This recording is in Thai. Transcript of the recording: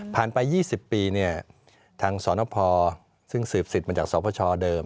ไป๒๐ปีทางสนพซึ่งสืบสิทธิ์มาจากสพชเดิม